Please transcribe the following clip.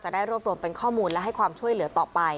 ได้รวบรวมเป็นข้อมูลและให้ความช่วยเหลือต่อไป